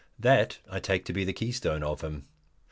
That I take to be the keystone of him.